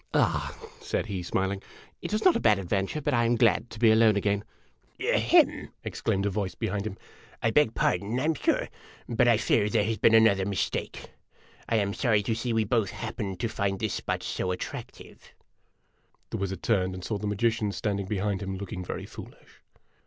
"Ah," said he, smiling, "it was not a bad adventure, but I am glad to be alone again ! "Ahem!' exclaimed a voice behind him. "I beg pardon, I 'm sure ; but I fear there has been another mistake. I am sorry to see we both happened to find this spot so attractive !' The wizard turned and saw the magician standing behind him, looking very foolish.